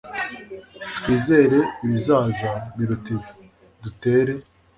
twizere ibizaza biruta ibi, dutere